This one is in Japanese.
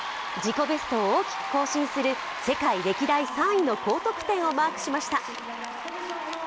自己ベストを大きく更新する世界歴代３位の高得点をマークしました。